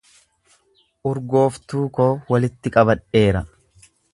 Urgooftuu koo walitti qabadheera.